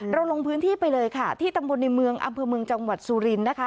ลงพื้นที่ไปเลยค่ะที่ตำบลในเมืองอำเภอเมืองจังหวัดสุรินทร์นะคะ